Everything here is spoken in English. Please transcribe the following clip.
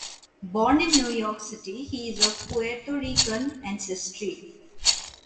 Born in New York City, he is of Puerto Rican ancestry.